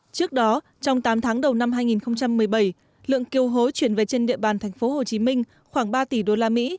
trước đó trong tám tháng đầu năm hai nghìn một mươi bảy lượng kiêu hối chuyển về trên địa bàn thành phố hồ chí minh khoảng ba tỷ usd